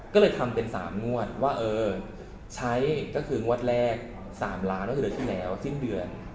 ก็เลยทำเป็น๓งวดว่าเออใช้ก็คืองวดแรก๓ล้านก็คือเดือนที่แล้วสิ้นเดือน